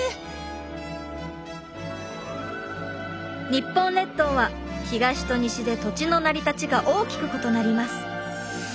日本列島は東と西で土地の成り立ちが大きく異なります。